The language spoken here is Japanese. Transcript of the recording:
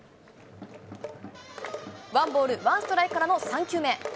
ワンボールワンストライクからの３球目。